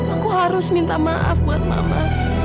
aku harus minta maaf buat mama